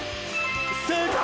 正解！